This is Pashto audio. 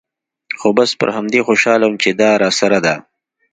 خو بس پر همدې خوشاله وم چې دا راسره ده.